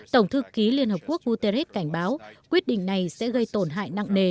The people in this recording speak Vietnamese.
tổng thư ký liên hợp quốc guterres cảnh báo quyết định này sẽ gây tổn hại nặng nề